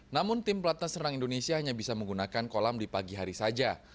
namun tim pelatnas renang indonesia hanya bisa menggunakan kolam di pagi hari saja